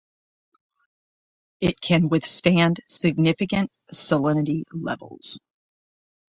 It can withstand significant salinity levels.